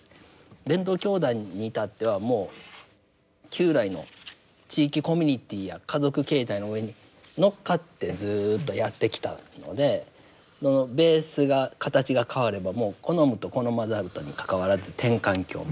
伝統教団に至ってはもう旧来の地域コミュニティーや家族形態の上に乗っかってずっとやってきたのでベースが形が変わればもう好むと好まざるとにかかわらず転換期を迎えるという。